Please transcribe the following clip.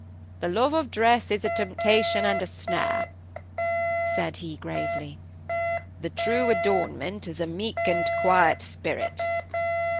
"The love of dress is a temptation and a snare," said he, gravely. "The true adornment is a meek and quiet spirit.